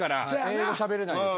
英語しゃべれないです。